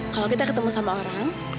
kalau kita ketemu sama orang